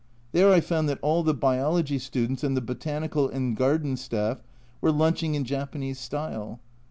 There I found that all the Biology students and the Botanical and garden staff were lunching in Japanese style.